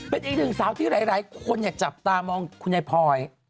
เป็นอีกหนึ่งสาวที่หลายคนจับตามองคุณยายพลอย